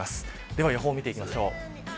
では、予報見ていきましょう。